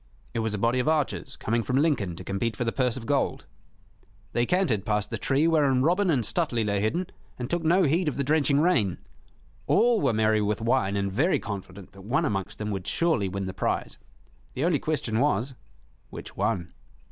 It was a body of archers coming from Lincoln to compete for the purse of gold. They cantered past the tree wherein Robin and Stuteley lay hidden, and took no heed of the drenching rain. All were merry with wine and very confident that one amongst them would surely win the prize. The only question was, Which one?